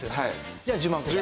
じゃあ１０万個で。